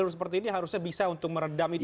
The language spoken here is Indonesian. karena seperti ini harusnya bisa untuk meredam itu